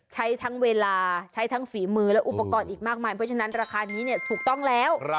ใช้ทั้งเวลาใช้ทั้งฝีมือและอุปกรณ์อีกมากมายเพราะฉะนั้นราคานี้ถูกต้องแล้ว